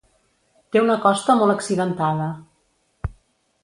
Té una costa molt accidentada.